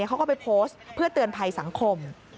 เขาก็ไปโพสต์เพื่อเตือนภัยสังคม